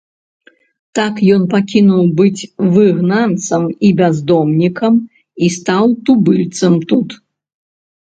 Так ён пакінуў быць выгнанцам і бяздомнікам і стаў тубыльцам тут.